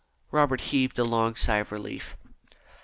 Robert heaved a long sigh of relief.